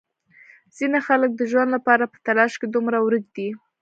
ځینې خلک د ژوند لپاره په تلاش کې دومره ورک دي.